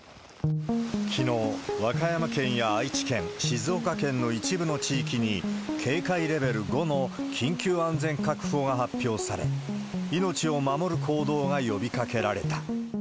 きのう、和歌山県や愛知県、静岡県の一部の地域に、警戒レベル５の緊急安全確保が発表され、命を守る行動が呼びかけられた。